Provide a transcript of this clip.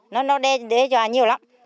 nó đe dọa nhiều lắm